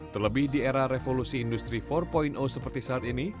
terlebih di era revolusi industri empat seperti saat ini